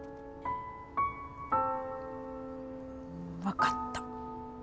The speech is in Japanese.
分かった。